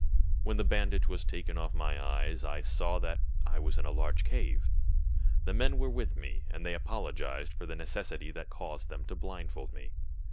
"When the bandage was taken off my eyes I saw that I was in a large cave. The men were with me, and they apologized for the necessity that caused them to blindfold me.